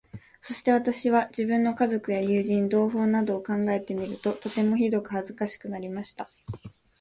そして私は、自分の家族や友人、同胞などを考えてみると、とてもひどく恥かしくなりました。